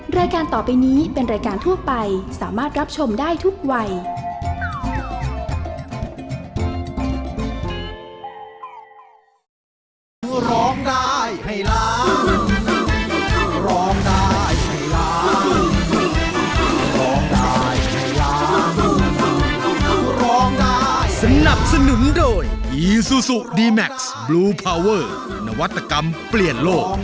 รายการต่อไปนี้เป็นรายการทั่วไปสามารถรับชมได้ทุกวัย